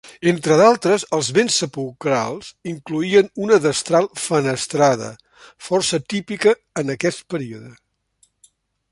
Entre d'altres, els bens sepulcrals incloïen una destral fenestrada, força típica en aquest període.